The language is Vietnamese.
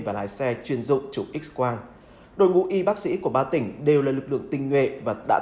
và lái xe chuyên dụng chủ x quang đội ngũ y bác sĩ của ba tỉnh đều là lực lượng tinh nghệ và đã